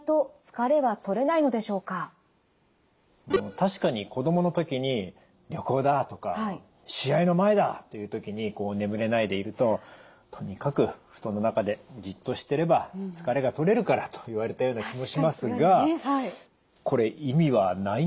確かに子供の時に「旅行だ」とか「試合の前だ」という時に眠れないでいると「とにかく布団の中でじっとしてれば疲れがとれるから」と言われたような気もしますがこれ意味はないんでしょうか？